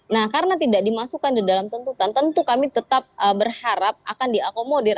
nah karena tidak dimasukkan di dalam tuntutan tentu kami tetap berharap akan diakomodir